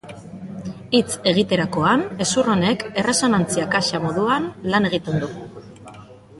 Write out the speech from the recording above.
Hitz egiterakoan hezur honek erresonantzia-kaxa moduan lan egiten du.